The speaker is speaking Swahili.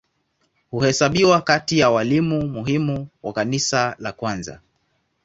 Huhesabiwa kati ya walimu muhimu wa Kanisa la kwanza.